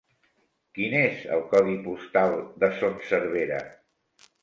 Quin és el codi postal de Son Servera?